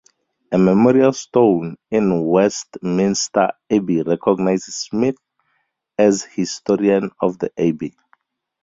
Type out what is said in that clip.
A memorial stone in Westminster Abbey recognizes Smith as "historian of the Abbey".